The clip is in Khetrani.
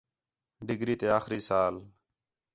ڈگری تے آخری سال